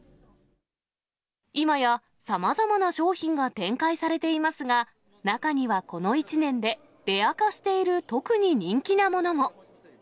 今やさまざまな商品が展開されていますが、中にはこの１年で、レア化している特に人気なものも。